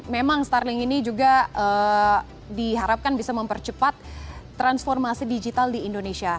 memang starling ini juga diharapkan bisa mempercepat transformasi digital di indonesia